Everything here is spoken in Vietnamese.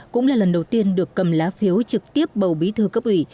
cũng là lần đầu tiên được cầm lá phiếu trực tiếp bầu bí thư cấp ủy